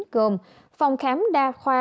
gồm phòng khám đa khoa